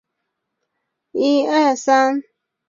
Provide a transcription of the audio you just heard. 岛智里线